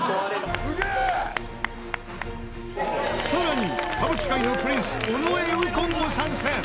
さらに歌舞伎界のプリンス尾上右近も参戦！